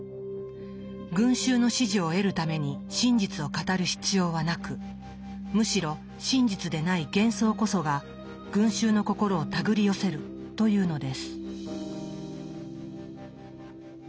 群衆の支持を得るために真実を語る必要はなくむしろ真実でない幻想こそが群衆の心をたぐり寄せるというのです。